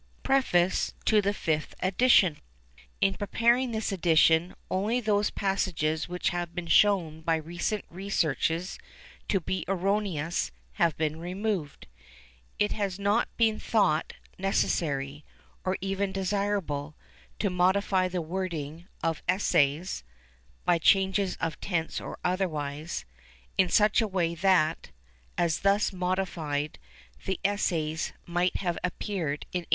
PREFACE TO THE FIFTH EDITION. In preparing this edition, only those passages which have been shown by recent researches to be erroneous have been removed. It has not been thought necessary, or even desirable, to modify the wording of Essays (by changes of tense or otherwise) in such a way that, as thus modified, the Essays might have appeared in 1884.